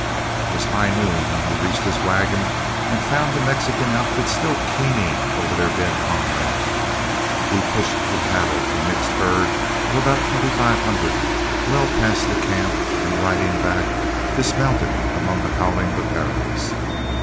It was high noon when we reached his wagon and found the Mexican outfit still keening over their dead comrade. We pushed the cattle, a mixed herd of about twenty five hundred, well past the camp, and riding back, dismounted among the howling vaqueros.